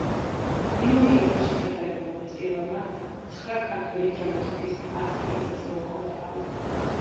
ნიუ-იორკში ჩატარებულმა ფესტივალმა ცხრა ქართველი დრამატურგის ათ პიესას მოუყარა თავი.